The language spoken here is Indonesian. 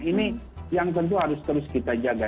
ini yang tentu harus terus kita jaga